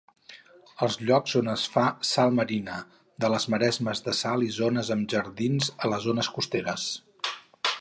Els llocs on es fa salt marina, de les maresmes de sal i zones amb jardins a les zones costeres.